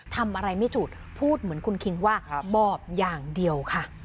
ทำอะไรไม่ถูกพูดเหมือนคุณคิงว่าหมอบอย่างเดียวค่ะ